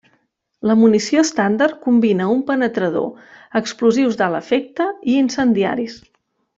La munició estàndard combina un penetrador, explosius d'alt efecte i incendiaris.